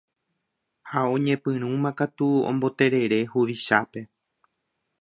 ha oñepyrũmakatu omboterere huvichápe.